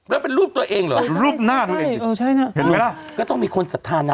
แล้วเป็นรูปตัวเองเหรอรูปหน้าตัวเองเห็นไหมล่ะก็ต้องมีคนสัทธานะ